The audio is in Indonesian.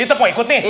ini tepung ikut nih